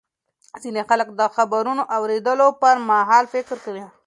ځینې خلک د خبرونو اورېدو پر مهال فکر کوي.